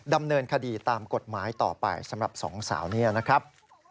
ดำเนินคดีตามกฎหมายต่อไปสำหรับสองสาวนี้นะครับ